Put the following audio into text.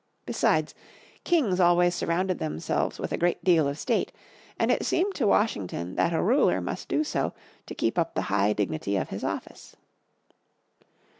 Besides, kings always surrounded themselves with a great deal of state, and it seemed to Washington that a ruler must do so to keep up the high dignity of his office.